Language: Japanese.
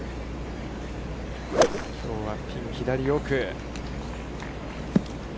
ここはピン左奥。